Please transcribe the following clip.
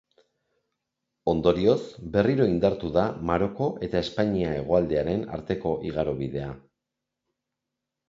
Ondorioz, berriro indartu da Maroko eta Espainia hegoaldearen arteko igarobidea.